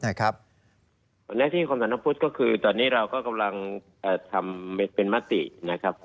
หน้าที่ความสำนักพุทธก็คือตอนนี้เราก็กำลังทำเป็นมตินะครับ